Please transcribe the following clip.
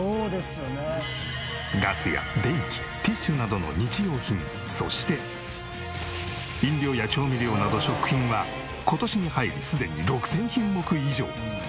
ガスや電気ティッシュなどの日用品そして飲料や調味料など食品は今年に入りすでに６０００品目以上。